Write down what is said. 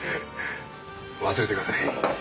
忘れてください。